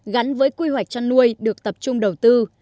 gắn với quy hoạch chăn nuôi được tập trung đầu tư